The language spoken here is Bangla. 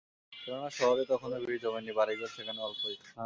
কেননা শহরে তখনো ভিড় জমে নি, বাড়িঘর সেখানে অল্পই।